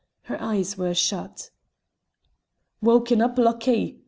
Her eyes were shut. "Wauken up, Luckie!"